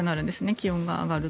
気温が上がると。